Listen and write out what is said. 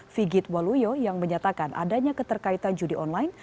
figit waluyo yang menyatakan adanya keterkaitan judi online